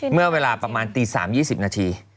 เมื่อเวลาประมาณตี๓๒๐นาที